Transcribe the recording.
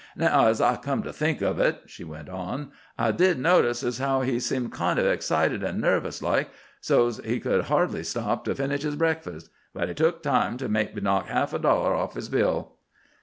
"Now ez I come to think of it," she went on, "I did notice as how he seemed kind of excited an' nervous like, so's he could hardly stop to finish his breakfus'. But he took time to make me knock half a dollar off his bill."